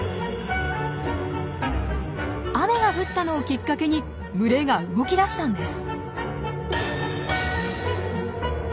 雨が降ったのをきっかけに群れが動き出したんです。